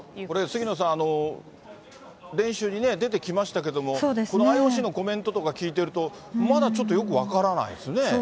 これ、杉野さん、練習に出てきましたけれども、このＩＯＣのコメントとか聞いてると、まだちょっとよく分からないですね。